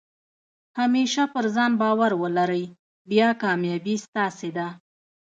همېشه پر ځان بارو ولرئ، بیا کامیابي ستاسي ده.